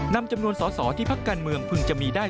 นำจำนวนสอสอที่พักการเมืองพึงจะมีได้